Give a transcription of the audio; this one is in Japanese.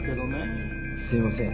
すみません。